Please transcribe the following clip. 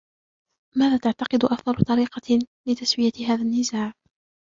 ماذا تعتقد أفضل طريقة لتسوية هذا النزاع؟